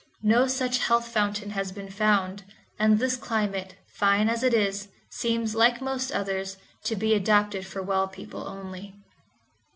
No such health fountain has been found, and this climate, fine as it is, seems, like most others, to be adapted for well people only.